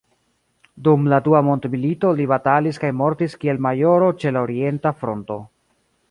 Dum la dua mondmilito li batalis kaj mortis kiel majoro ĉe la orienta fronto.